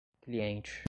cliente